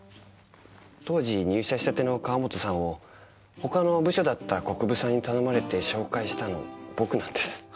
当時入社したての川本さんを他の部署だった国分さんに頼まれて紹介したの僕なんです。